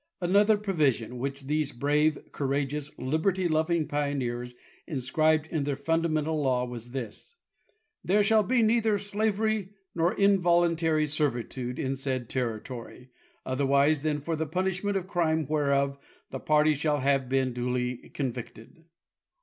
, Another provision which these brave, courage ous, liberty loving pioneers inscribed in their fundamental law was this: "There shall be neither slavery nor involuntary servi tude in said territory, otherwise than for the punishment of crime whereof the party shall have been duly convicted."